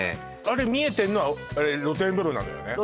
あれ見えてんのは露天風呂なのよね？